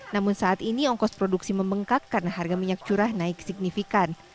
namun saat ini ongkos produksi membengkak karena harga minyak curah naik signifikan